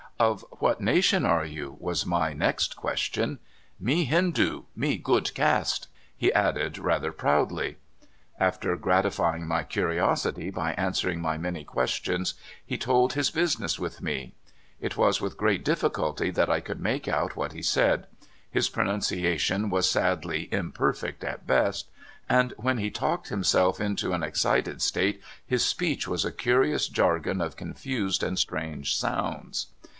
"Of what nation are you?" was my next question. Me Hindoo — me good caste," he added rather proudly. After gratifying my curiosity by answering my many questions, he told his business with me. It was with great difficulty that I could make out what he said ; his pronunciation was sadly imper fect at best, and when he talked himself into an excited state his speech was a curious jargon of confused and strange sounds.